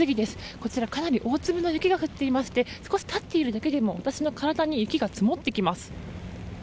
こちら、かなり大粒の雪が降っていまして少し立っているだけでも私の体に雪が積もってきます。